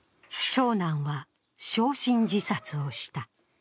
長男は焼身自殺をした。